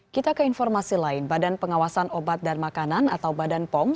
kita ke informasi lain badan pengawasan obat dan makanan atau badan pom